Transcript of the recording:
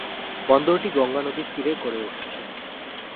বন্দরটি গঙ্গা নদীর তীরে গড়ে উঠেছে।